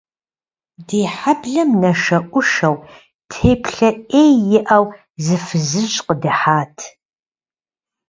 Ди хьэблэм нашэӏушэу, теплъэ ӏей иӏэу, зы фызыжь къыдыхьат.